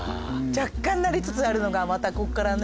若干なりつつあるのがまたこっからね。